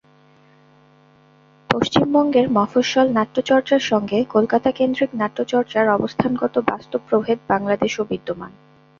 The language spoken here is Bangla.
পশ্চিমবঙ্গের মফস্বল নাট্যচর্চার সঙ্গে কলকাতাকেন্দ্রিক নাট্যচর্চার অবস্থানগত বাস্তব প্রভেদ বাংলাদেশও বিদ্যমান।